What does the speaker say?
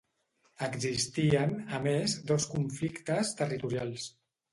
Existien, a més, dos conflictes territorials.